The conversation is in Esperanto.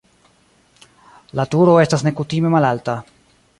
La turo estas nekutime malalta.